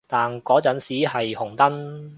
但嗰陣時係紅燈